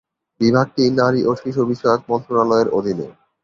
বিভাগটি নারী ও শিশু বিষয়ক মন্ত্রণালয়ের অধীনে।